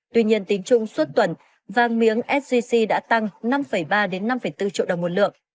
tuy nhiên tính chung suốt tuần vàng miếng sgc đã tăng năm ba năm bốn triệu đồng một lượng